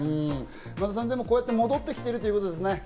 前田さん、こうやって戻ってきてるということですね。